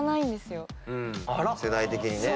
世代的にね。